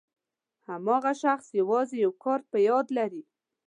هماغه شخص یوازې یو کار په یاد لري.